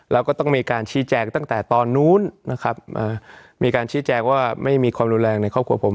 แล้วก็ต้องมีการชี้แจงตั้งแต่ตอนนู้นนะครับมีการชี้แจงว่าไม่มีความรุนแรงในครอบครัวผม